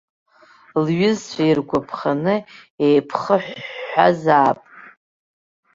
Лҩызцәа иргәаԥханы еиԥхыҳәҳәазаап.